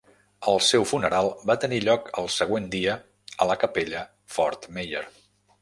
El seu funeral va tenir lloc el següent dia a la capella Fort Meyer.